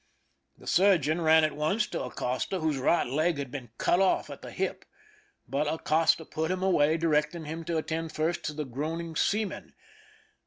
The surgeon ran at once to Acosta, whose right leg had been cut off at the hip; but Acosta put him away, directing him to attend first to the groaning seamen.